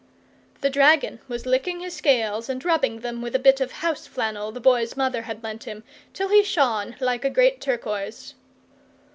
The dragon was licking his scales and rubbing them with a bit of house flannel the Boy's mother had lent him, till he shone like a great turquoise.